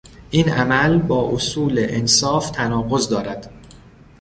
این عمل با اصول انصاف تناقض دارد.